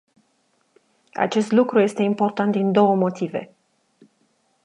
Acest lucru este important din două motive.